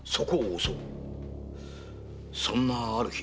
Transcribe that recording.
そんなある日。